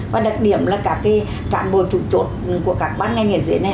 và đặc điểm là cả cái bộ trụ trộn của các bán ngành ở dưới này